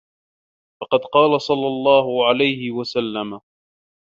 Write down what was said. فَقَدْ قَالَ صَلَّى اللَّهُ عَلَيْهِ وَسَلَّمَ